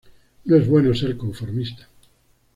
No es bueno ser conformista.